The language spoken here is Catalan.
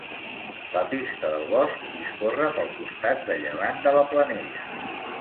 La Pista del Bosc discorre pel costat de llevant de la Planella.